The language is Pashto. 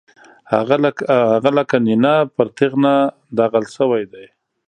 هغه لکه نېنه پر تېغنه داغل شوی دی.